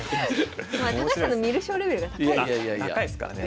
高橋さんの観る将レベルが高いですからね